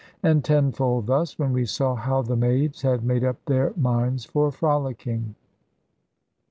And tenfold thus, when we saw how the maids had made up their minds for frolicking.